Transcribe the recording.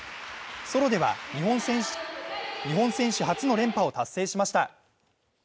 ソロでは日本選手初の連覇を達成しました。